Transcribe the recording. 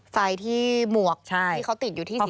ไฟที่หมวกที่เขาติดอยู่ที่ศพ